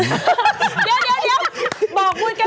เดี๋ยวบอกบุญกะถิ่น